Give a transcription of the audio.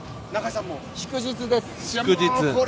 祝日です！